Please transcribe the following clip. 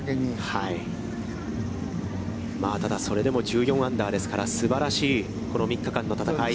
まあ、ただそれでも１４アンダーですから、すばらしい、この３日間の戦い。